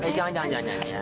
jangan jangan jangan